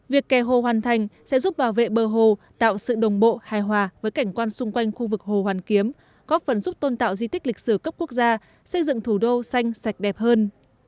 việc kè hồ hoàn thành sẽ giúp bảo vệ bờ hồ tạo sự đồng bộ hài hòa với cảnh quan xung quanh khu vực hồ hoàn kiếm góp phần giúp tôn tạo di tích lịch sử cấp quốc gia xây dựng thủ đô xanh sạch đẹp hơn